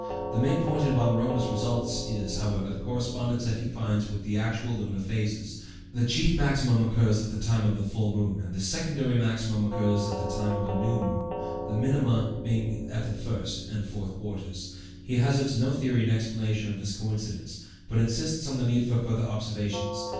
The main point in Von Römer's results is, however, the correspondence that he finds with the actual lunar phases; the chief maximum occurs at the time of the full moon, and the secondary maximum at the time of the new moon, the minima being at the first and fourth quarters. He hazards no theory in explanation of this coincidence, but insists on the need for further observations.